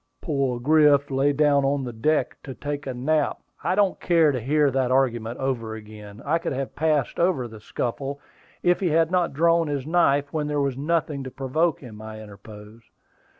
"Poor Griff lay down on the deck to take a nap " "I don't care to hear that argument over again. I could have passed over the scuffle, if he had not drawn his knife when there was nothing to provoke him," I interposed.